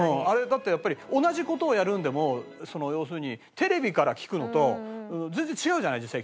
あれだってやっぱり同じ事をやるのでも要するにテレビから聴くのと全然違うじゃない